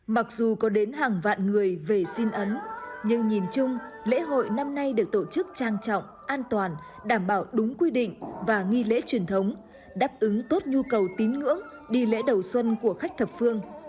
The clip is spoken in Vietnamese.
mặc dù có đến hàng vạn người về xin ấn nhưng nhìn chung lễ hội năm nay được tổ chức trang trọng an toàn đảm bảo đúng quy định và nghi lễ truyền thống đáp ứng tốt nhu cầu tín ngưỡng đi lễ đầu xuân của khách thập phương